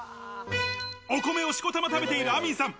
お米をしこたま食べているアミンさん。